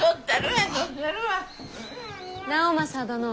直政殿。